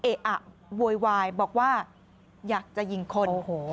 อะโวยวายบอกว่าอยากจะยิงคน